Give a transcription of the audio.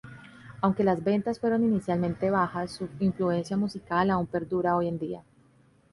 Aunque las ventas fueron inicialmente bajas, su influencia musical aún perdura hoy en día.